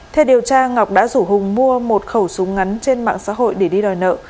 theo điều tra ngọc đã rủ hùng mua một khẩu súng ngắn trên mạng xã hội để đi đòi nợ